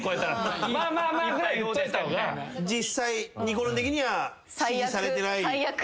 実際にこるん的には支持されてない。